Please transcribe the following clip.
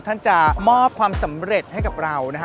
ท่านจะมอบความสำเร็จให้กับเรานะฮะ